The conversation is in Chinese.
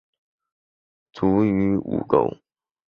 卒于午沟。